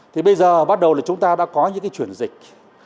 thì bây giờ bắt đầu là chúng ta đã có những chuyên dịch